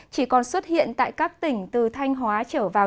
chỉ còn xuất hiện tại các tỉnh từ thanh hóa trở vào